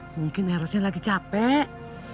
mungkin erosnya lagi capek